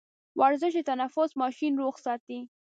ورزش د تنفس ماشين روغ ساتي.